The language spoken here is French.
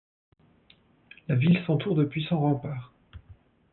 La ville s'entoure de puissants remparts.